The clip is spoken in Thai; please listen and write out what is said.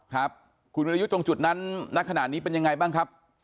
ครับคุณวิรยุทธ์ตรงจุดนั้นณขณะนี้เป็นยังไงบ้างครับ